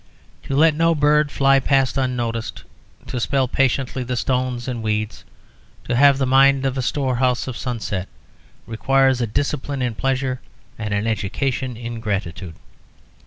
To let no bird fly past unnoticed, to spell patiently the stones and weeds, to have the mind a storehouse of sunset, requires a discipline in pleasure, and an education in gratitude.